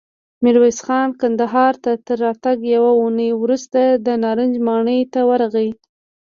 ميرويس خان کندهار ته تر راتګ يوه اوونۍ وروسته د نارنج ماڼۍ ته ورغی.